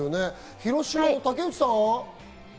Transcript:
広島の竹内さん。